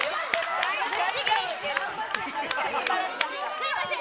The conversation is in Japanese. すみません。